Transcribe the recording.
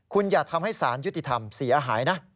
คุณอย่าทำให้สารยุติธรรมเสียหายนะ